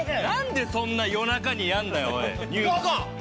なんでそんな夜中にやるんだよおい。